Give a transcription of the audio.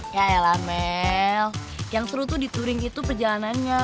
ya el amel yang seru tuh di touring itu perjalanannya